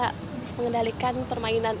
kemeng wounded dari gua iyi sangat